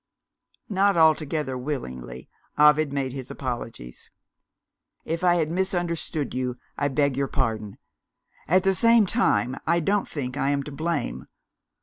Not altogether willingly, Ovid made his apologies. "If I have misunderstood you, I beg your pardon. At the same time, I don't think I am to blame.